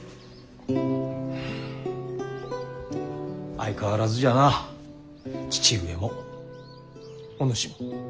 相変わらずじゃな父上もお主も。